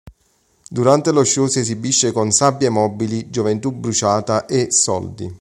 Durante lo show si esibisce con "Sabbie mobili", "Gioventù bruciata" e "Soldi".